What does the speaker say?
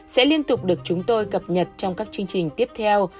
sẽ liên tục được chúng tôi cập nhật trong các chương trình tiếp theo